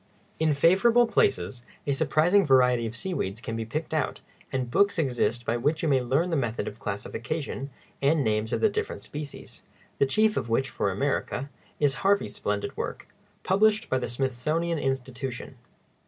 ] In favorable places a surprising variety of seaweeds can be picked out, and books exist by which you may learn the method of classification and names of the different species, the chief of which, for America, is Harvey's splendid work, published by the Smithsonian Institution.